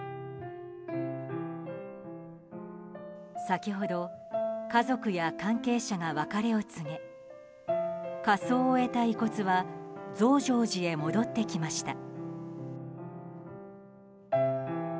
先ほど家族や関係者が別れを告げ火葬を終えた遺骨は増上寺へ戻ってきました。